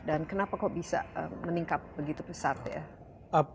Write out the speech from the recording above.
dan kenapa kok bisa meningkat begitu besar